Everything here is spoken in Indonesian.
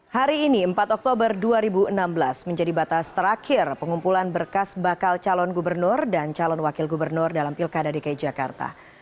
hari ini empat oktober dua ribu enam belas menjadi batas terakhir pengumpulan berkas bakal calon gubernur dan calon wakil gubernur dalam pilkada dki jakarta